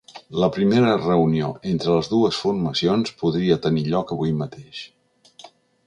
La primera reunió entre les dues formacions podria tenir lloc avui mateix.